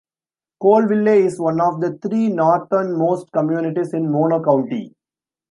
Coleville is one of the three northernmost communities in Mono County.